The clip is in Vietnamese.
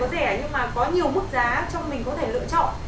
không hề có rẻ nhưng mà có nhiều mức giá cho mình có thể lựa chọn